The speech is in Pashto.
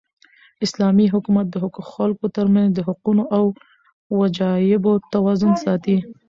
اسلامي حکومت د خلکو تر منځ د حقونو او وجایبو توازن ساتي.